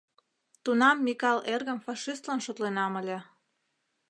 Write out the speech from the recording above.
Тунам Микал эргым фашистлан шотленам ыле.